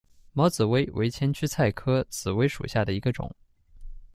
毛紫薇为千屈菜科紫薇属下的一个种。